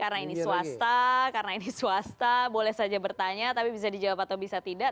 karena ini swasta karena ini swasta boleh saja bertanya tapi bisa dijawab atau bisa tidak